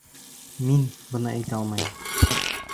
Мин... быны әйтә алмайым.